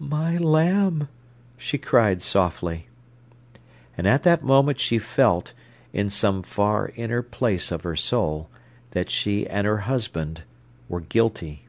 "My lamb!" she cried softly. And at that moment she felt, in some far inner place of her soul, that she and her husband were guilty.